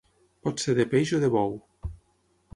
Pot ser de peix o de bou.